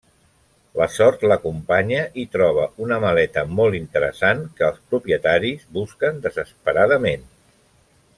La sort l’acompanya i troba una maleta molt interessant, que els propietaris busquen desesperadament.